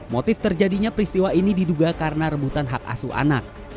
motif terjadinya peristiwa ini diduga karena rebutan hak asuh anak